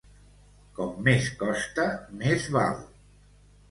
Com més costa, més val.